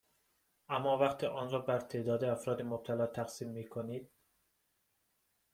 اما وقتی آن را بر تعداد افراد مبتلا تقسیم میکنید